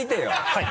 はい。